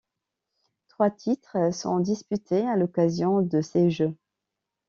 Trois titres sont disputés à l'occasion de ces jeux.